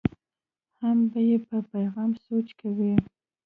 هم به یې په پیغام سوچ کوي.